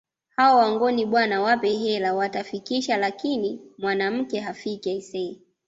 Hao Wangoni bwana wape hela watafikisha lakini mwanamke hafiki aisee